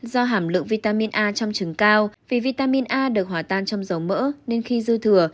do hàm lượng vitamin a trong chừng cao vì vitamin a được hỏa tan trong dầu mỡ nên khi dư thừa